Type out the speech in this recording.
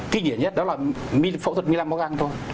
kỳ nhiệt nhất đó là phẫu thuật mi lăm móc găng thôi